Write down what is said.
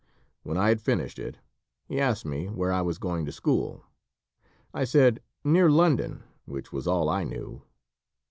When I had finished it, he asked me where I was going to school. I said: "Near London," which was all I knew.